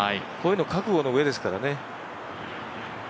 こういうの覚悟の上ですからね。